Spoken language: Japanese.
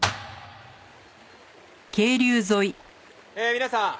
皆さん